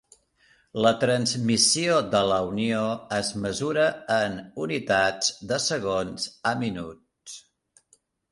La transmissió de la unió es mesura en unitats de segons a minuts.